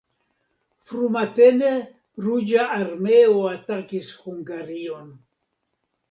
Frumatene Ruĝa Armeo atakis Hungarion.